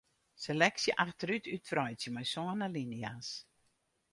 Seleksje achterút útwreidzje mei sân alinea's.